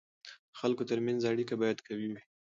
د خلکو ترمنځ اړیکه باید قوي وي.